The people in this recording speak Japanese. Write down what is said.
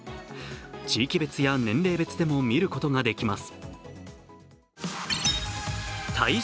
地域別や年齢別でも見ることができます。